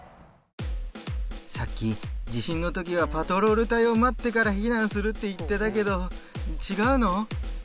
さっき地震の時はパトロール隊を待ってから避難するって言ってたけど違うの？